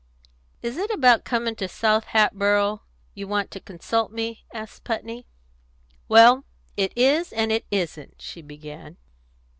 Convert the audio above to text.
"Is it about coming to South Hatboro' you want to consult me?" asked Putney. "Well, it is, and it isn't," she began.